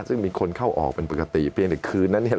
ซึ่งมีคนเข้าออกเป็นปกติเพียงแต่คืนนั้นเนี่ย